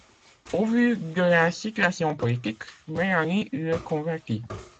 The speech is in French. Au vu de la situation politique, Mélanie le convertit.